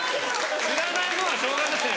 知らないもんはしょうがない。